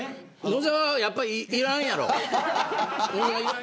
野沢、やっぱりいらんやろ。